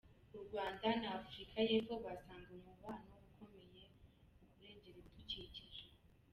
U Rwanda na Afurika y’Epfo bisanganywe umubano ukomeye mu kurengera ibidukikije.